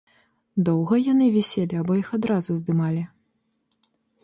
Доўга яны віселі або іх адразу здымалі?